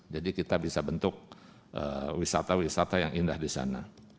jadi kita bisa bentuk wisata wisata yang indah di sana